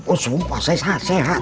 oh sumpah saya sehat